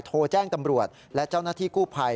โทรแจ้งตำรวจและเจ้าหน้าที่กู้ภัย